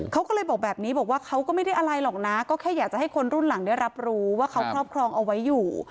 เขาก็เลยบอกแบบนี้บอกว่าเขาก็ไม่ได้อะไรหรอกนะก็แค่อยากจะให้คนรุ่นหลังได้รับรู้ว่าเขาครอบครองเอาไว้อยู่